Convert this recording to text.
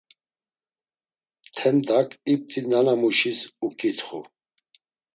Tendak ipti nanamuşis uǩitxu.